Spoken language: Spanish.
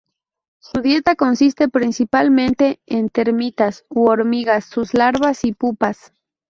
Su dieta consiste principalmente en termitas u hormigas, sus larvas y pupas.